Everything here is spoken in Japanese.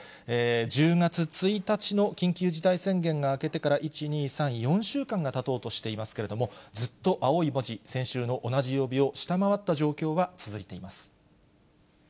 １０月１日の緊急事態宣言が明けてから１、２、３、４週間がたとうとしていますけれども、ずっと青い文字、先週の同じ曜日を下回った状況は続いています。